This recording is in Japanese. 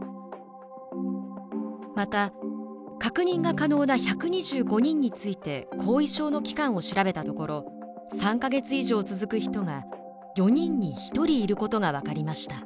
また確認が可能な１２５人について後遺症の期間を調べたところ３か月以上続く人が４人に１人いることが分かりました。